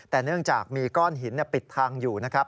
แต่เนื่องจากมีก้อนหินปิดทางอยู่นะครับ